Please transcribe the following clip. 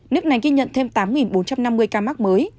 nước này ghi nhận thêm tám bốn trăm năm mươi ca mắc mới